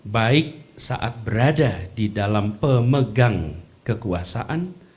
baik saat berada di dalam pemegang kekuasaan